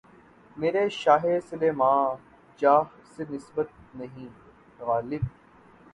میرے شاہِ سلیماں جاہ سے نسبت نہیں‘ غالبؔ!